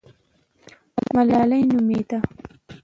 ملاله نومېده.